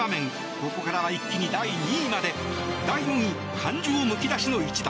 ここからは一気に第２位まで第４位、感情むき出しの一打。